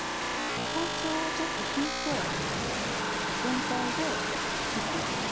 包丁をちょっと引いて全体で切っていきます